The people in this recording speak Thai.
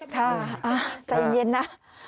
ค่ะใจเย็นนะ